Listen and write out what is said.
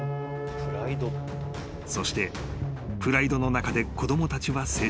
［そしてプライドの中で子供たちは成長］